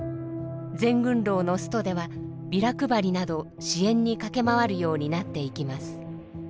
全軍労のストではビラ配りなど支援に駆け回るようになっていきます。